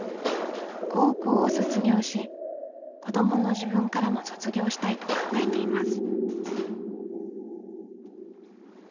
高校を卒業し子どもの自分からも卒業したいと考えています。